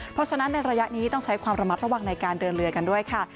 เพราะฉะนั้นในระยะนี้ต้องใช้ความระมัดระวังในการเดินเรือกันด้วยค่ะ